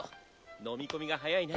飲み込みが早いね。